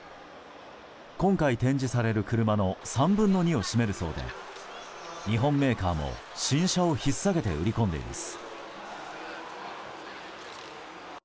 今回展示される車の３分の２を占めるそうで日本メーカーも新車を引っ提げて売り込んでいます。